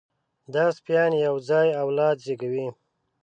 دا سپيان یو ځای اولاد زېږوي.